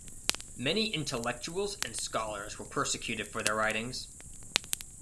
Many intellectuals and scholars were persecuted for their writings.